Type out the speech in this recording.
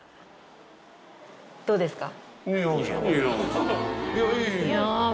どうですか？